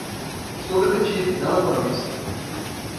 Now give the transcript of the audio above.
Sou detetive? não economista.